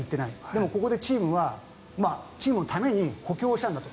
でも、ここでチームのために補強をしたんだと。